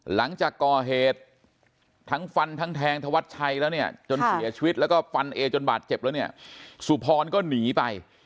หลังจากก่อเหตุทั้งฟันทั้งแทงธวัดชัยแล้วเนี่ยจนเสียชีวิตแล้วก็ฟันเอจนบาดเจ็บแล้วเนี่ยสุพรก็หนีไป